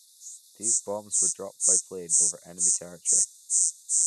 These bombs were dropped by plane over enemy territory.